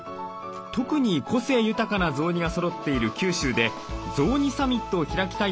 特に個性豊かな雑煮がそろっている九州で雑煮サミットを開きたいと考えたのです。